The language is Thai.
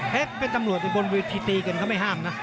เป็นตำรวจอยู่บนเวทีตีกันเขาไม่ห้ามนะ